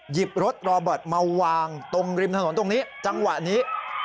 รถรอเบิร์ตมาวางตรงริมถนนตรงนี้จังหวะนี้